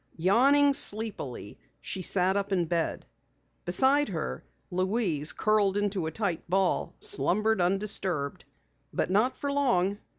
Yawning sleepily, she sat up in bed. Beside her, Louise, curled into a tight ball, slumbered undisturbed. But not for long.